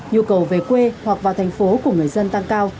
nhu cầu về quê hoặc vào thành phố của người dân tăng cao